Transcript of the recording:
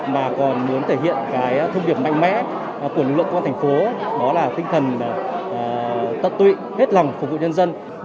mà còn muốn thể hiện cái thông điệp mạnh mẽ của lực lượng công an thành phố đó là tinh thần tận tụy hết lòng phục vụ nhân dân